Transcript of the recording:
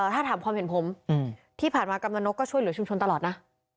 ถ้าถามความเห็นผมอยู่ชุมชนตลอดนะ